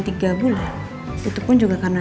tiga bulan itu pun juga karena